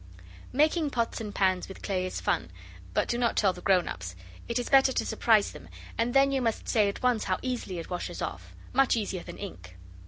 Making pots and pans with clay is fun, but do not tell the grown ups. It is better to surprise them; and then you must say at once how easily it washes off much easier than ink.